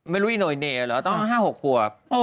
ไม่รู้อีโนอีเน่เหรอต้องว่า๕๖ครัว